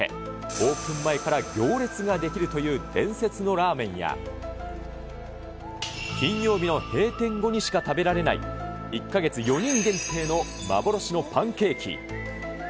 オープン前から行列が出来るという伝説のラーメンや、金曜日の閉店後にしか食べられない、１か月４人限定の幻のパンケーキ。